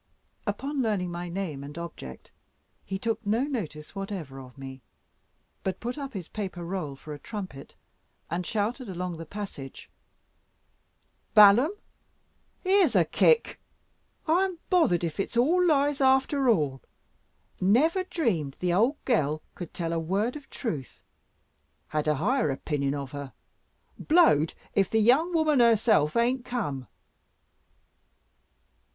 Upon learning my name and object, he took no notice whatever of me, but put up his paper roll for a trumpet, and shouted along the passage, "Balaam, here's a kick! I'm bothered if it's all lies, after all. Never dreamed the old gal could tell a word of truth. Had a higher opinion of her. Blowed if the young woman herself ain't come!"